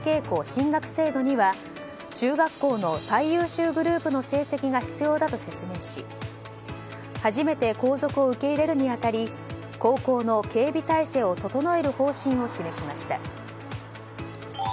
校進学制度には中学校の最優秀グループの成績が必要だと説明し初めて皇族を受け入れるに当たり高校の警備態勢を整える方針を示しました。